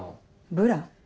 ブラ？